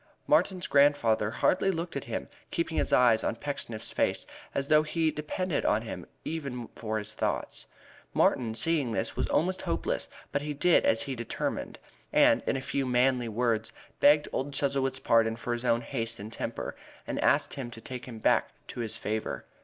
Martin's grandfather hardly looked at him, keeping his eyes on Pecksniff's face, as though he depended on him even for his thoughts. Martin, seeing this, was almost hopeless, but he did as he had determined, and in a few manly words begged old Chuzzlewit's pardon for his own haste and temper, and asked him to take him back to his favor.